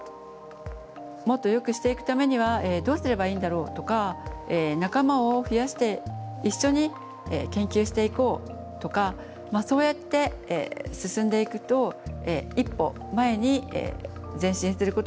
もっとよくしていくためにはどうすればいいんだろうとか仲間を増やして一緒に研究していこうとかそうやって進んでいくと一歩前に前進することができると思います。